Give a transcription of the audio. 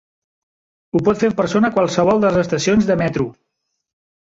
Ho pot fer en persona a qualsevol de les estacions de metro.